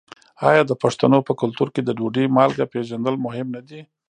آیا د پښتنو په کلتور کې د ډوډۍ مالګه پیژندل مهم نه دي؟